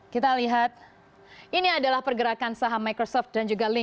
kita lihat ini adalah pergerakan saham microsoft dan juga link